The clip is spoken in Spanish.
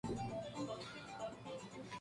The Cyclopaedia of American